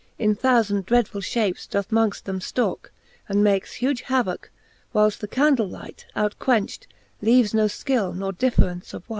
In thoufand dreadfull fhapes doth mongft them ftalke, And makes huge havocke, whiles the candlelight Out quenched leaves no fkill nor difference of wight.